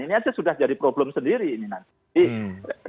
ini aja sudah jadi problem sendiri ini nanti